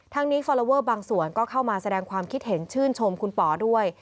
ทั้งนี้ฟอลลอเวอร์บางส่วนก็เข้ามาแสดงความคิดเห็นชื่นชมคุณป๋อด้วย